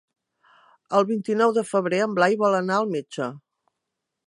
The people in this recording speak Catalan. El vint-i-nou de febrer en Blai vol anar al metge.